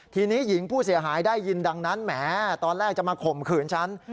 ทีนี้หญิงผู้เสียหายได้ยินดังนั้นแหมตอนแรกจะมาข่มขืนฉัน